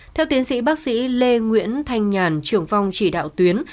theo tiến sĩ bác sĩ lê nguyễn thanh nhàn trưởng phong chỉ đạo tuyến